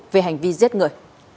về hành vi giết người